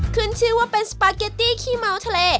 ขึ้นชื่อว่าเป็นสปาเกตตี้ขี้เมาส์ทะเล